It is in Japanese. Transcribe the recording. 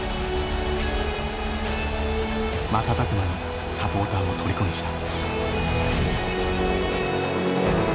瞬く間にサポーターをとりこにした。